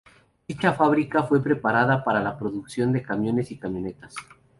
Dicha fábrica fue preparada para la producción de camiones y camionetas.